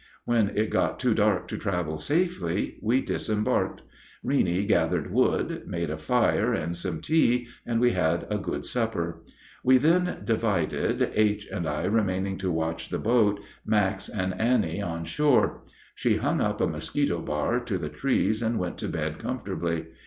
When it got too dark to travel safely we disembarked. Reeney gathered wood, made a fire and some tea, and we had a good supper. We then divided, H. and I remaining to watch the boat, Max and Annie on shore. She hung up a mosquito bar to the trees and went to bed comfortably.